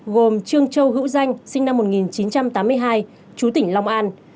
gồm trương châu hữu danh sinh năm một nghìn chín trăm tám mươi hai chú tỉnh long an